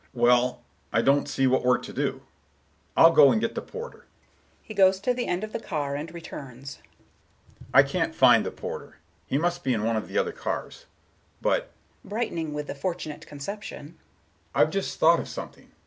"Well, I don't see what we're to do: I'll go and get the porter." He goes to the end of the car, and returns. "I can't find the porter,—he must be in one of the other cars. But"—brightening with the fortunate conception—"I've just thought of something.